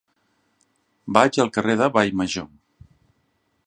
Vaig al carrer de Vallmajor.